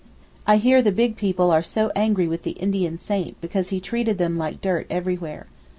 I hear the big people are so angry with the Indian saint because he treated them like dirt everywhere.